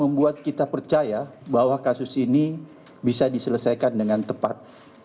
membuat kita percaya bahwa kasus ini bisa diselesaikan dengan tepat